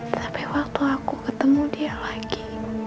tapi waktu aku ketemu dia lagi